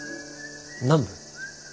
南部？